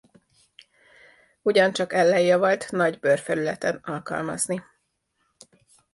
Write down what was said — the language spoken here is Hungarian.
Ugyancsak ellenjavallt nagy bőrfelületen alkalmazni.